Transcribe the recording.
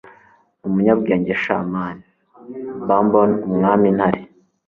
Numunyabwenge shaman baboon Umwami Ntare